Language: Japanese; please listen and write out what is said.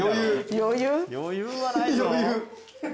余裕はないぞ。